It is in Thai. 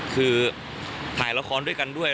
คือถ่ายละครด้วยกันด้วย